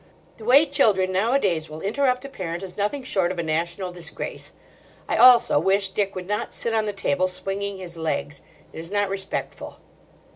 The way children nowadays will interrupt a parent is nothing short of a national disgrace. I also wish Dick would not sit on the table, swinging his legs. It is not respectful.